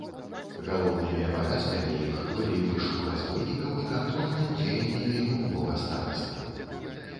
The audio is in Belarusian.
Галоўнымі абавязкамі іх былі вышук разбойнікаў і кантроль над дзеяннямі губнога старасты.